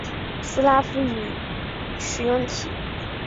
斯拉夫语使用体。